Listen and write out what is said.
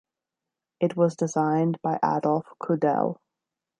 It was designed by Adolph Cudell.